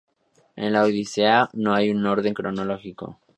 En la "Odisea" no hay un orden cronológico.